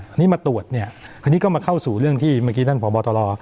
อันนี้มาตรวจเนี่ยอันนี้ก็มาเข้าสู่เรื่องที่เมื่อกี้ท่านพบตร